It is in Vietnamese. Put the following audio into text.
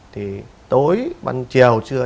thì tối ban chiều trưa